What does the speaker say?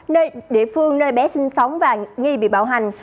nơi địa phương nơi bé sinh sống và nghi bị bảo hành